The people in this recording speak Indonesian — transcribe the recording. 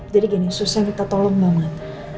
jadi gini susah kita tolong banget